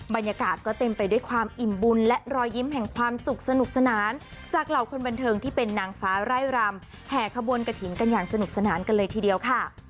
บรรยากาศก็เต็มไปด้วยความอิ่มบุญและรอยยิ้มแห่งความสุขสนุกสนานจากเหล่าคนบันเทิงที่เป็นนางฟ้าไร่รำแห่ขบวนกระถิ่นกันอย่างสนุกสนานกันเลยทีเดียวค่ะ